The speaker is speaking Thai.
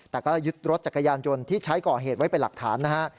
แต่ก็ยึดรถจักรยานยนต์ที่ใช้ก่อเหตุไว้เป็นหลักฐานนะฮะ